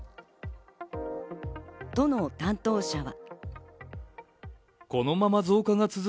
都の担当者は。